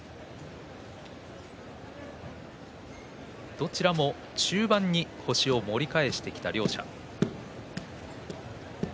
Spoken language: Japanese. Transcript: どちらも中盤に星を盛り返してきた両者です。